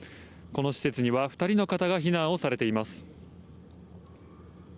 この施設には２人の方が避難をされています。